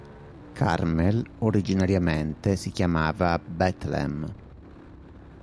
Carmel originariamente si chiamava "Bethlehem".